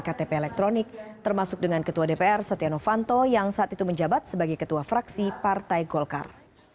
ktp elektronik termasuk dengan ketua dpr setia novanto yang saat itu menjabat sebagai ketua fraksi partai golkar